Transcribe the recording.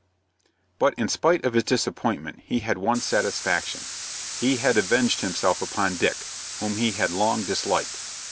But, in spite of his disappointment, he had one satisfaction. He had avenged himself upon Dick, whom he had long disliked.